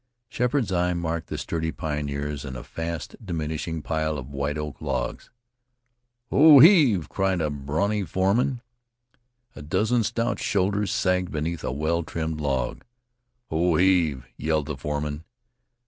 Sheppard's eye marked the sturdy pioneers and a fast diminishing pile of white oak logs. "Ho heave!" cried a brawny foreman. A dozen stout shoulders sagged beneath a well trimmed log. "Ho heave!" yelled the foreman.